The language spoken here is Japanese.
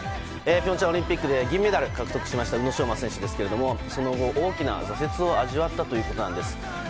平昌オリンピックで銀メダルを獲得しました宇野昌磨選手ですけれどもその後、大きな挫折を味わったということなんです。